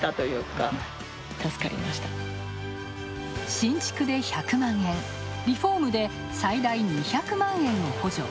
新築で１００万円、リフォームで最大２００万円を補助。